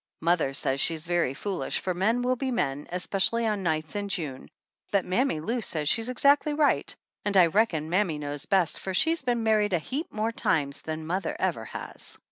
Mother says she's very foolish, for men will be men, especially on nights in June ; but Mammy Lou says she's exactly right; and I reckon mammy knows best, for she's been married a heap more times than mother ever has.